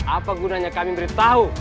apa gunanya kami beritahu